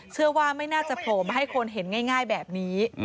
เชื่อว่าไม่น่าจะโผล่มาให้คนเห็นง่ายแบบนี้